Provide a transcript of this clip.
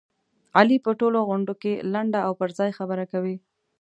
علي په ټولو غونډوکې لنډه او پرځای خبره کوي.